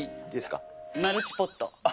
マルチポット。